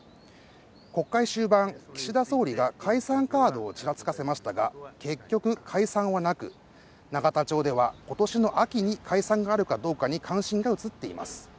国会終盤、岸田総理が解散カードをちらつかせましたが、結局解散はなく、永田町では、今年の秋に解散があるかどうかに関心が移っています。